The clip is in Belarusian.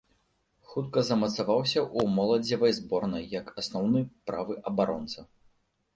Хутка замацаваўся ў моладзевай зборнай як асноўны правы абаронца.